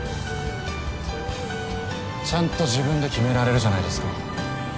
ちゃんと自分で決められるじゃないですか。